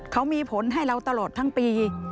เขามีผลให้เราตลอดทั้งปี